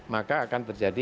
maka akan terjadi